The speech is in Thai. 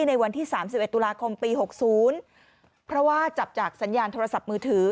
ในวันที่๓๑ตุลาคมปี๖๐เพราะว่าจับจากสัญญาณโทรศัพท์มือถือ